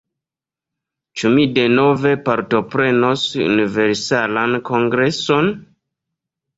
Ĉu mi denove partoprenos Universalan Kongreson?